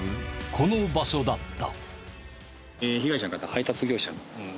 この場所だった。